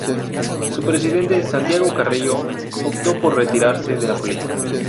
Su presidente, Santiago Carrillo, optó por retirarse de la política.